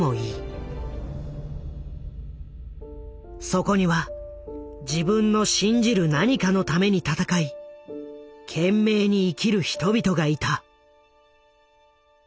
そこには自分の信じる何かのために闘い懸命に生きる人々がいた。